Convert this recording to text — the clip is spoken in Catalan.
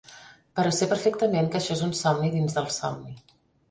Però sé perfectament que això és un somni dins del somni.